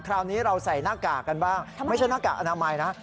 คราวนี้เราใส่หน้ากากกันบ้างไม่ใช่หน้ากากอนามัยนะ